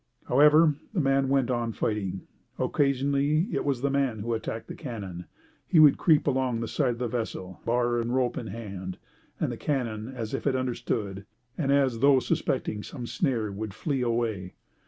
However, the man went on fighting. Occasionally, it was the man who attacked the cannon; he would creep along the side of the vessel, bar and rope in hand; and the cannon, as if it understood, and as though suspecting some snare, would flee away.